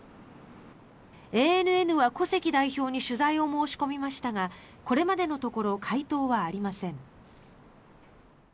ＡＮＮは古関代表に取材を申し込みましたがこれまでのところ回答はありません。